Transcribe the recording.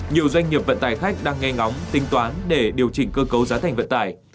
nhiều doanh nghiệp vận tài khách đang ngay ngóng tính toán để điều chỉnh cơ cấu giá thành vận tài